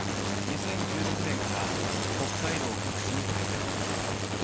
２０１６年から北海道各地に滞在。